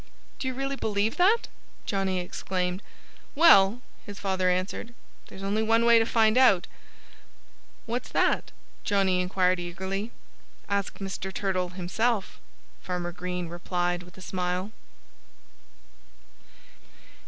"Do you really believe that?" Johnnie exclaimed. "Well," his father answered, "there's only one way to find out." "What's that?" Johnnie inquired eagerly. "Ask Mr. Turtle himself," Farmer Green replied with a smile.